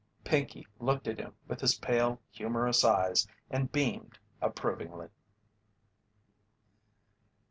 Pinkey looked at him with his pale, humorous eyes and beamed approvingly.